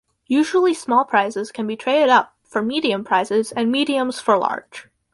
Usually small prizes can be traded up for medium prizes and mediums for large.